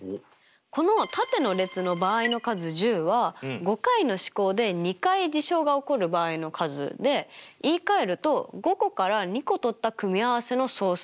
この縦の列の場合の数１０は５回の試行で２回事象が起こる場合の数で言いかえると５個から２個取った組み合わせの総数。